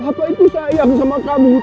papa itu sayang sama kamu tau gak